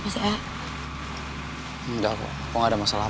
enggak ada masalah